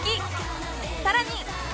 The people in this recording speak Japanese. さらに